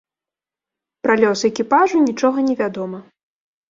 Пра лёс экіпажу нічога невядома.